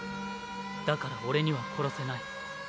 だから俺には殺せない。